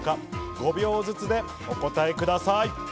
５秒ずつでお答えください。